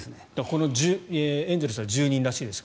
このエンゼルスは１０人らしいです。